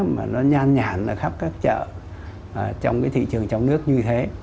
mà nó nhan nhản ở khắp các chợ trong cái thị trường trong nước như thế